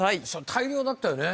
大量だったよね？